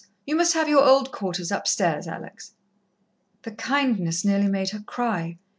You must have your old quarters upstairs, Alex." The kindness nearly made her cry.